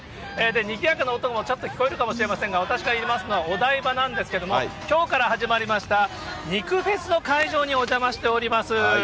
にぎやかな音もちょっと聞こえるかもしれませんが、私がいますのは、お台場なんですけども、きょうから始まりました、肉フェスの会場にお邪魔しております。